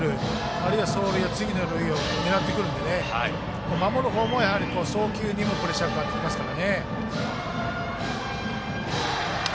あるいは走塁は次の塁を狙ってくるんでね、守る方も送球にもプレッシャーかかってきますからね。